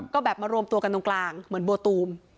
ก็แบบมารวมตัวกันตรงกลางเหมือนโบตูม